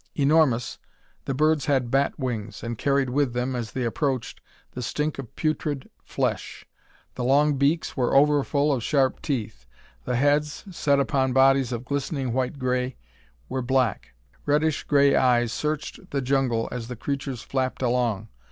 Enormous, the birds had bat wings, and carried with them, as they approached, the stink of putrid flesh. The long beaks were overfull of sharp teeth. The heads, set upon bodies of glistening white grey, were black. Reddish grey eyes searched the jungle as the creatures flapped along.